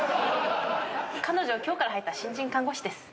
彼女今日から入った新人看護師です。